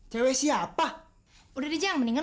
dia seperti kbaris jawaban penterbang